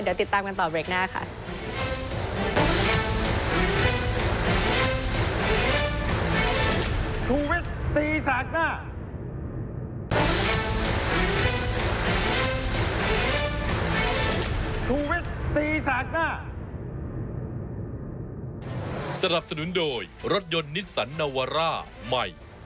เดี๋ยวติดตามกันต่อเบรกหน้าค่ะ